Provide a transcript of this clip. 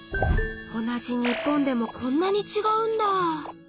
同じ日本でもこんなにちがうんだ！